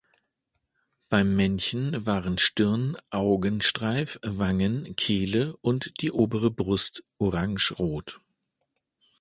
Beim Männchen waren Stirn, Augenstreif, Wangen, Kehle und die obere Brust orangerot.